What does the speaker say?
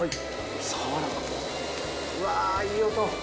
うわいい音！